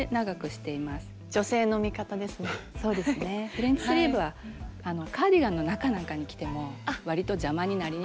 フレンチスリーブはカーディガンの中なんかに着てもわりと邪魔になりにくいので。